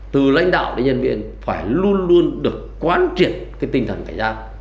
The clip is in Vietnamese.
từ lãnh đạo đến nhân viên phải luôn luôn được quán triệt cái tinh thần cảnh giác